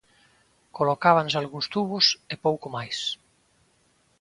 Colocábanse algúns tubos e pouco máis.